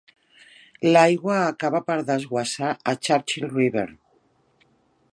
L"aigua acaba per desguassar a Churchill River.